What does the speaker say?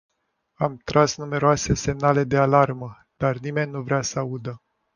Am tras numeroase semnale de alarmă, dar nimeni nu vrea să audă.